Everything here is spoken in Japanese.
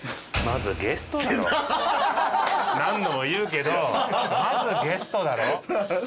何度も言うけどまずゲストだろ。